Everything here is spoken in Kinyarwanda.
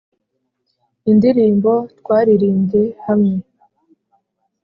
indirimbo twaririmbye hamwe